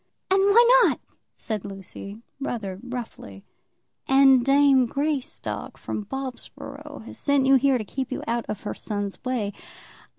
"And why not?" said Lucy, rather roughly. "And dame Greystock, from Bobsborough, has sent you here to keep you out of her son's way.